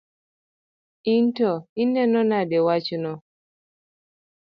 In to ineno nade wachno?